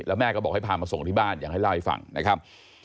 แล้วแม่ก็บอกให้พามาส่งที่บ้านอย่างให้เล่าให้ฟังนะครับ